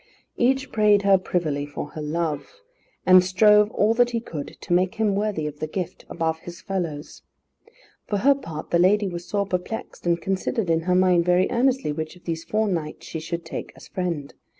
Each prayed her privily for her love, and strove all that he could to make him worthy of the gift, above his fellows. For her part the lady was sore perplexed, and considered in her mind very earnestly, which of these four knights she should take as friend.